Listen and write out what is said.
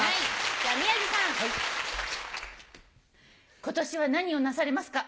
じゃ宮治さん。今年は何をなされますか？